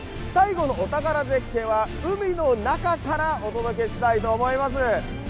最後のお宝絶景は海の中からお届けしたいと思います。